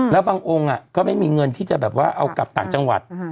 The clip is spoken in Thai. แล้วบางองค์ก็ไม่มีเงินที่จะแบบว่าเอากลับต่างจังหวัด